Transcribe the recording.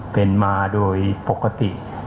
เป็นมาโดยปกติ